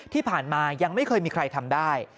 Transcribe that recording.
ที่ผ่านมายังไม่เคยมีใครทำได้